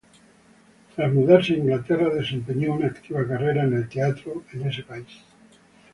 Tras mudarse a Inglaterra, desempeñó una activa carrera en el teatro en ese país.